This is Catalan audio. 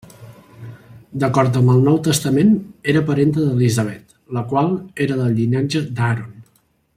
D'acord amb el Nou Testament era parenta d'Elisabet, la qual era del llinatge d'Aaron.